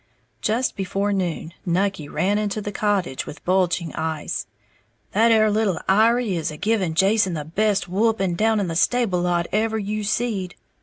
Just before noon, Nucky ran into the cottage with bulging eyes. "That 'ere little Iry is a giving Jason the best whupping down in the stable lot ever you seed.